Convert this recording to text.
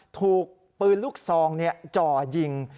ถูกปืนลูกซองจ่อยิง